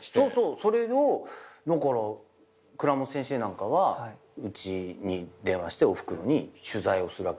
それを倉本先生なんかはうちに電話しておふくろに取材をするわけ。